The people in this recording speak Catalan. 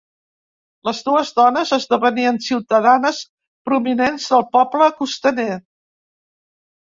Les dues dones esdevenien ciutadanes prominents del poble costaner.